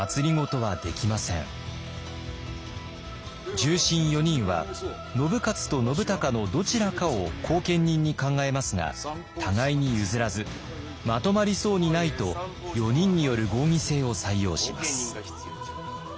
重臣４人は信雄と信孝のどちらかを後見人に考えますが互いに譲らずまとまりそうにないと４人による合議制を採用します。